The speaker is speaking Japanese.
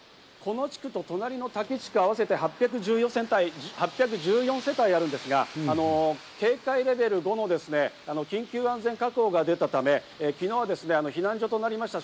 この地区と隣の地区合わせて８１４世帯あるんですが、警戒レベル５の緊急安全確保が出たため昨日は避難所となりました。